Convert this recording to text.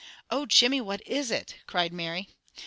"Oh, Jimmy, what is it?" cried Mary.